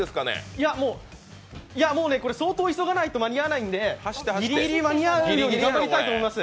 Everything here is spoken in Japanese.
いや、もうこれ相当急がないと間に合わないと思うのでギリギリ間に合うように頑張りたいと思います